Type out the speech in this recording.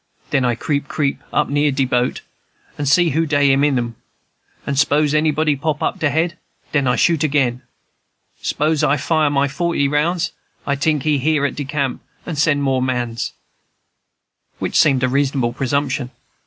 Den I creep creep up near de boat, and see who dey in 'em; and s'pose anybody pop up he head, den I shoot again. S'pose I fire my forty rounds. I tink he hear at de camp and send more mans," which seemed a reasonable presumption.